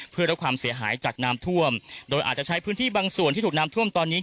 เพื่อรับความเสียหายจากน้ำท่วมโดยอาจจะใช้พื้นที่บางส่วนที่ถูกน้ำท่วมตอนนี้